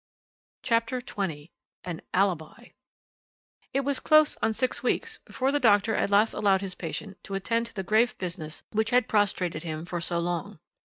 CHAPTER XX AN ALIBI "It was close on six weeks before the doctor at last allowed his patient to attend to the grave business which had prostrated him for so long.